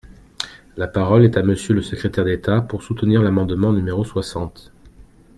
La parole est à Monsieur le secrétaire d’État, pour soutenir l’amendement numéro soixante.